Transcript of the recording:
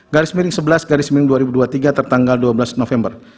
garis miring sebelas garis miring dua ribu dua puluh tiga tertanggal dua belas november